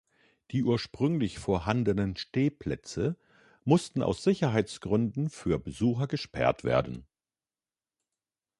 Die ursprünglich vorhandenen Stehplätze mussten aus Sicherheitsgründen für Besucher gesperrt werden.